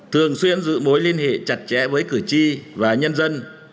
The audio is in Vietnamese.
thường xuyên giữ mối liên hệ chặt chẽ với cử tri và nhân dân